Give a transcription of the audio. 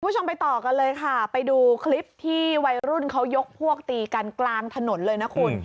คุณผู้ชมไปต่อกันเลยค่ะไปดูคลิปที่วัยรุ่นเขายกพวกตีกันกลางถนนเลยนะคุณ